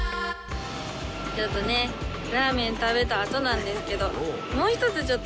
ちょっとねラーメン食べた後なんですけど。